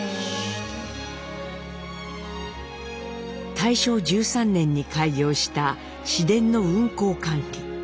大正１３年に開業した市電の運行管理。